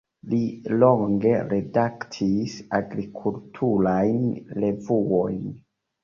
Li longe redaktis agrikulturajn revuojn.